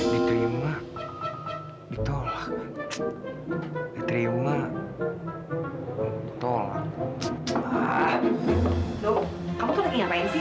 loh kamu tuh lagi ngapain sih